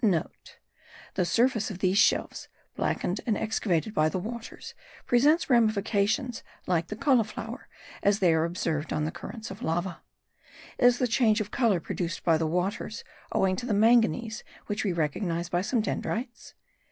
(* The surface of these shelves, blackened and excavated by the waters, presents ramifications like the cauliflower, as they are observed on the currents of lava. Is the change of colour produced by the waters owing to the manganese which we recognize by some dendrites?